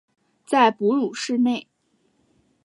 在哺乳室内